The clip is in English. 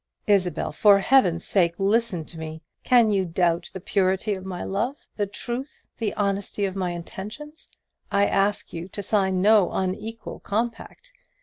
"Isabel, for Heaven's sake, listen to me! Can you doubt the purity of my love the truth, the honesty of my intentions? I ask you to sign no unequal compact.